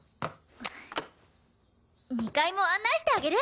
２階も案内してあげる！